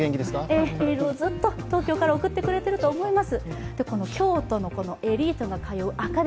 エールをずっと東京から送ってくれていると思います。